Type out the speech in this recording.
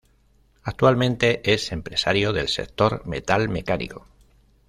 Actualmente es empresario del sector metal mecánico.